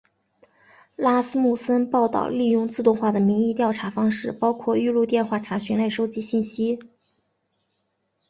拉斯穆森报导利用自动化的民意调查方式包括预录电话查询来收集信息。